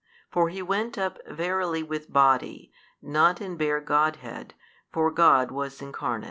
For He went up verily with Body, not in bare Godhead, for God was Incarnate.